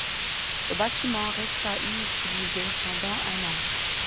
Le bâtiment resta inutilisé pendant un an.